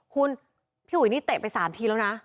คุณพี่อุ๋ยนี่เตะไป๓ทีแล้วนะ